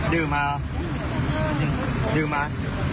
ดื่มมาดื่มมา